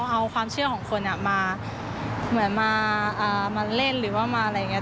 เอาความเชื่อของคนมาเหมือนมาเล่นหรือว่ามาอะไรอย่างนี้